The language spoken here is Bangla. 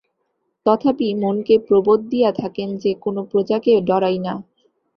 তথাপি মনকে প্রবোধ দিয়া থাকেন যে, কোন প্রজাকে ডরাই না!